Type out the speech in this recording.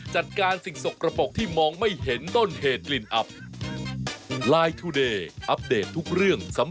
ช่วงหน้ามีหลายเรื่อง